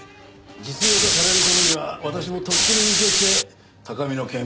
実用化される頃には私はとっくに隠居して高みの見物だよ。